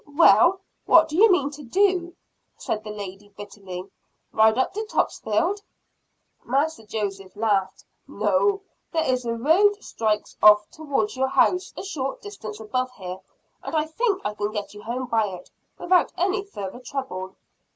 "Well, what do you mean to do?" said the lady bitterly. "Ride on up to Topsfield?" Master Joseph laughed. "No there is a road strikes off towards your house a short distance above here, and I think I can get you home by it, without any further trouble."